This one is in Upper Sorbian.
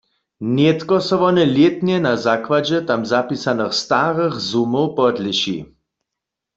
Nětko so wone lětnje na zakładźe tam zapisanych starych sumow podlěši.